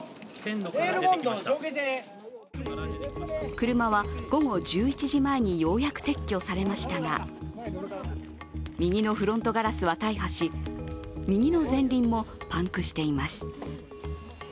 車は午後１１時前にようやく撤去されましたが、右のフロントガラスは大破し右の前輪もパンクしています。